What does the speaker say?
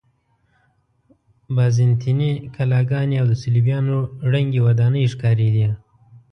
بازنطیني کلاګانې او د صلیبیانو ړنګې ودانۍ ښکارېدې.